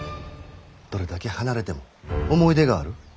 どれだけ離れても思い出がある。